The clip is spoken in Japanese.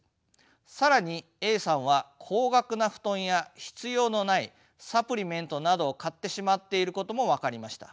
更にＡさんは高額な布団や必要のないサプリメントなどを買ってしまっていることも分かりました。